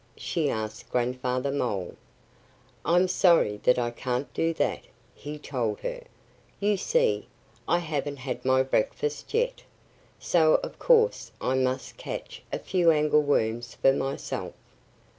she asked Grandfather Mole. "I'm sorry that I can't do that," he told her. "You see, I haven't had my breakfast yet. So of course I must catch a few angleworms for myself."